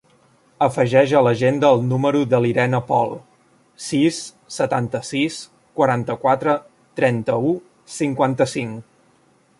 Afegeix a l'agenda el número de l'Irene Pol: sis, setanta-sis, quaranta-quatre, trenta-u, cinquanta-cinc.